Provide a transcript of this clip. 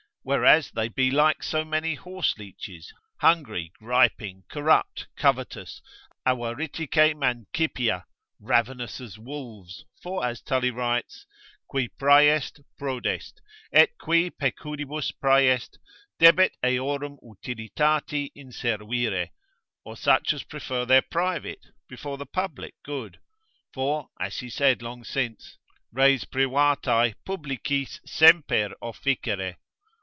Whereas they be like so many horseleeches, hungry, griping, corrupt, covetous, avaritice mancipia, ravenous as wolves, for as Tully writes: qui praeest prodest, et qui pecudibus praeest, debet eorum utilitati inservire: or such as prefer their private before the public good. For as he said long since, res privatae publicis semper officere.